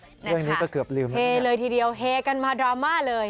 เรื่องนี้ก็เกือบลืมเฮเลยทีเดียวเฮกันมาดราม่าเลย